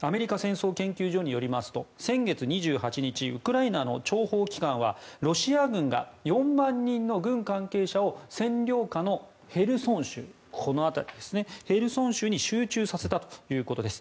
アメリカ戦争研究所によりますと先月２８日ウクライナの諜報機関はロシア軍が４万人の軍関係者を占領下のヘルソン州に集中させたということです。